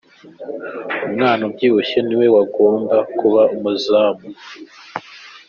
Umwana ubyibushye ni we wagomba kuba umuzamu.